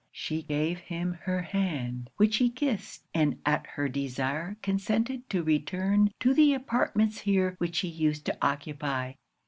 She gave him her hand, which he kissed, and at her desire consented to return to the apartments here which he used to occupy.